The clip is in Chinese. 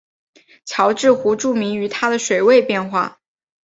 乔治湖著名于它的水位变化。